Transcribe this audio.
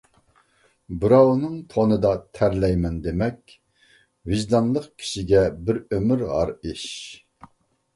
بىراۋنىڭ تونىدا تەرلەيمەن دېمەك، ۋىجدانلىق كىشىگە بىر ئۆمۈر ھار ئىش.